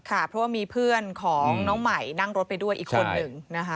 ค่ะเพราะว่ามีเพื่อนของน้องใหม่นั่งรถไปด้วยอีกคนหนึ่งนะคะ